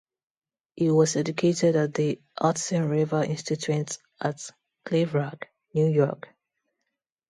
He was educated at the Hudson River Institute at Claverack, New York.